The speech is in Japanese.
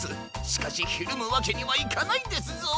しかしひるむわけにはいかないですぞ。